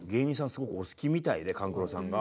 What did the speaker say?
すごくお好きみたいで勘九郎さんが。